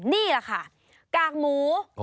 นี่แหละค่ะกากหมู